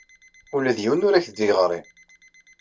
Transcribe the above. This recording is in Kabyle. Ula d yiwen ur ak-d-yeɣri.